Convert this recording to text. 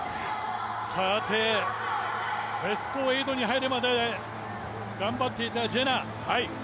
さて、ベスト８に入るまで頑張っていたジェナ。